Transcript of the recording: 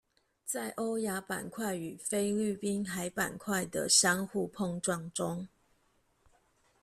在歐亞板塊與菲律賓海板塊的相互碰撞中